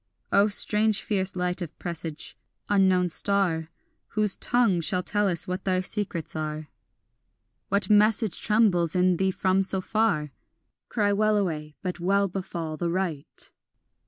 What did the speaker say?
O strange fierce light of presage, unknown star, Whose tongue shall tell us what thy secrets are, What message trembles in thee from so far? Cry wellaway, but well befall the right.